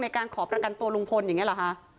การขอประกันตัวลุงพลอย่างนี้เหรอคะ